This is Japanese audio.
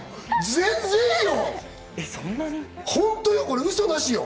全然いいよ。